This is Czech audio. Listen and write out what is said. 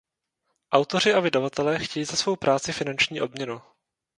Autoři a vydavatelé chtějí za svou práci finanční odměnu.